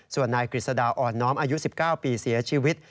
ส่วนนายกฤษฎาอ่อนน้อมอายุ๑๙ปีเสียชีวิต